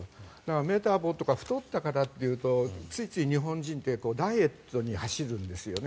メタボとか太った方というとついつい日本人ってダイエットに走るんですよね。